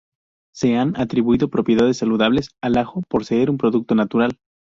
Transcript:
Se han atribuido propiedades saludables al ajo por ser un producto "natural".